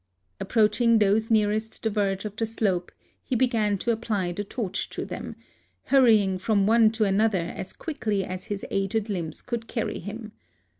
Ap proaching those nearest the verge of the slope, he began to apply the torch to them, — hurry ing from one to another as quickly as his aged limbs could carry him.